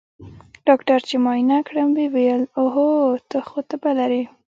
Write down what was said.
ډاکتر چې معاينه کړم ويې ويل اوهو ته خو تبه لرې.